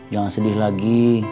jangan sedih lagi